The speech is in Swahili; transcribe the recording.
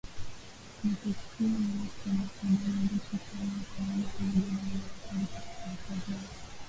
ni Kusini mwa Sudani iliishi kwa miaka mingi pamoja na Wanyamapori katika hifadhi ya